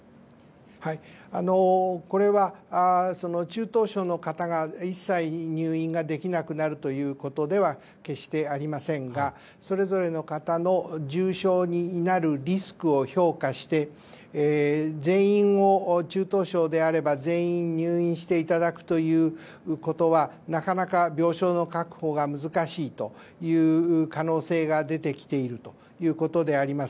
これは中等症の方が一切、入院ができなくなるということでは決してありませんがそれぞれの方の重症になるリスクを評価して中等症であれば全員入院していただくということはなかなか病床の確保が難しいという可能性が出てきているということであります。